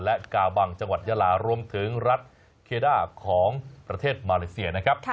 และกาบังจังหวัดยาลารวมถึงรัฐเคด้าของประเทศมาเลเซียนะครับ